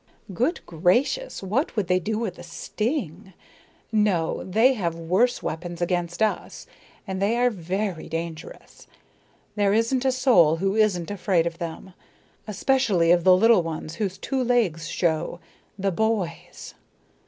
"Good gracious, what would they do with a sting! No, they have worse weapons against us, and they are very dangerous. There isn't a soul who isn't afraid of them, especially of the little ones whose two legs show the boys."